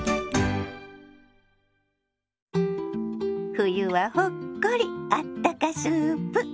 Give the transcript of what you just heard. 「冬はほっこりあったかスープ」。